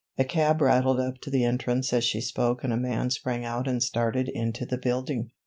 A cab rattled up to the entrance as she spoke and a man sprang out and started into the building.